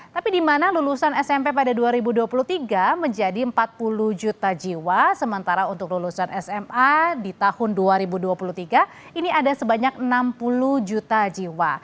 tapi di mana lulusan smp pada dua ribu dua puluh tiga menjadi empat puluh juta jiwa sementara untuk lulusan sma di tahun dua ribu dua puluh tiga ini ada sebanyak enam puluh juta jiwa